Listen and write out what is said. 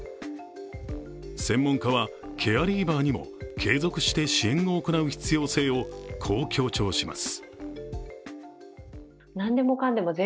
専門家はケアリーバーにも継続して支援を行う必要性をこう強調します。